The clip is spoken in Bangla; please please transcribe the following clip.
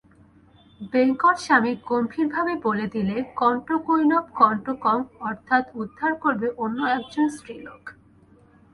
বেঙ্কটস্বামী গম্ভীরভাবে বলে দিলে, কণ্টকেনৈব কণ্টকং– অর্থাৎ উদ্ধার করবে অন্য একজন স্ত্রীলোক।